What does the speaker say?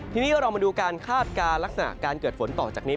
ทีนี้เรามาดูการคาดการณ์ลักษณะการเกิดฝนต่อจากนี้